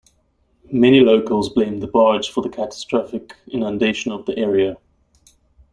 Many locals blame the barge for the catastrophic inundation of the area.